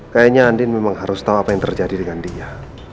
kayaknya andin memang harus tahu apa yang terjadi dengan dia